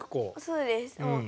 そうです。